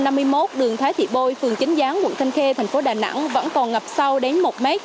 năm một nghìn chín trăm năm mươi một đường thái thị bôi phường chính gián quận thanh khê thành phố đà nẵng vẫn còn ngập sâu đến một m